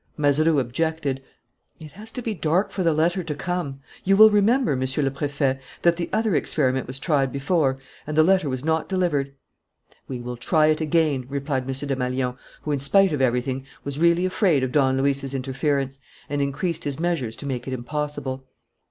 Mazeroux objected: "It has to be dark for the letter to come. You will remember, Monsieur le Préfet, that the other experiment was tried before and the letter was not delivered." "We will try it again," replied M. Desmalions, who, in spite of everything, was really afraid of Don Luis's interference, and increased his measures to make it impossible.